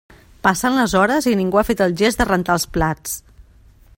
Passen les hores i ningú ha fet el gest de rentar els plats.